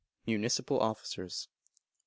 Municipal Officers. i.